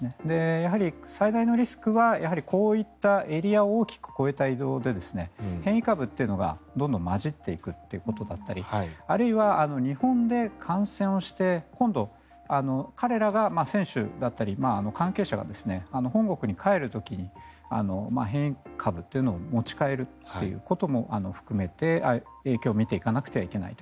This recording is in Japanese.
やはり最大のリスクはこういったエリアを大きく越えた移動で変異株というのがどんどん混じっていくということだったりあるいは日本で感染をして今度、彼らが選手だったり関係者が本国に帰る時に変異株というのを持ち帰るということも含めて影響を見ていかなきゃいけないと。